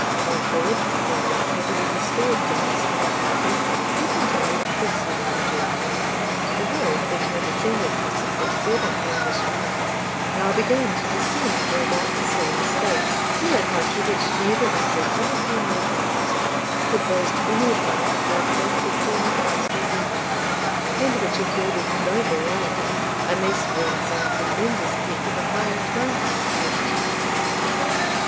Concord being thus happily restored to our small party, we continued to pursue our journey. The road, which had ascended for six or seven English miles, began now to descend for about the same space, through a country which neither in fertility nor interest could boast any advantage over that which we had passed already, and which afforded no variety, unless when some tremendous peak of a Highland mountain appeared at a distance.